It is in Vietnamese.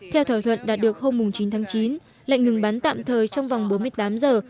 theo thỏa thuận đạt được hôm chín tháng chín lệnh ngừng bắn tạm thời trong vòng bốn mươi tám giờ